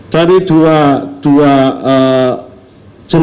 dari dua jemah sah tersebut kita lakukan pemeriksaan toksikologi secara mendalam